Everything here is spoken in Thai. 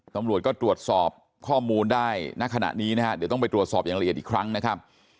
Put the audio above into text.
ตำรวจก็ตรวจสอบข้อมูลได้ณขณะนี้นะฮะเดี๋ยวต้องไปตรวจสอบอย่างละเอียดอีกครั้งนะครับ